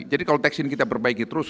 jadi kalau tax ini kita perbaiki terus